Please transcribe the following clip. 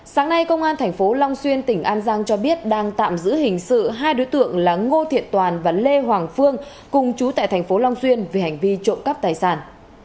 sáng nay công an tp long xuyên tỉnh an giang cho biết đang tạm giữ hình sự hai đối tượng là ngô thiện toàn và lê hoàng phương cùng chú tại thành phố long xuyên vì hành vi trộm cắp tài sản